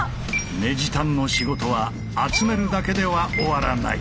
ネジ担の仕事は集めるだけでは終わらない。